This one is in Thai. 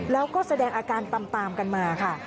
แล้วก็แสดงอาการตามกันมาค่ะ